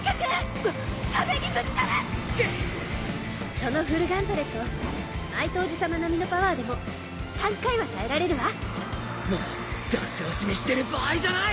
そのフルガントレットマイトおじ様並みのパワーでも３回は耐えられるわもう出し惜しみしてる場合じゃない！